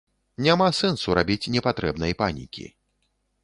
Няма сэнсу рабіць непатрэбнай панікі.